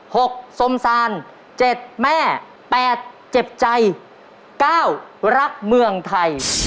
หกสมซานเจ็ดแม่แปดเจ็บใจเก้ารักเมืองไทย